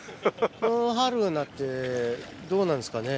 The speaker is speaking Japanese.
春になってどうなんですかね。